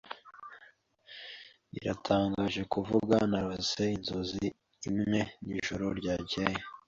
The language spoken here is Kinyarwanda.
Biratangaje kuvuga, narose inzozi imwe nijoro ryakeye.